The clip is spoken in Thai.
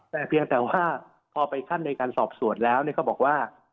แต่เพียงแต่ว่าพอไปขั้นในการสอบสวนแล้วก็บอกว่า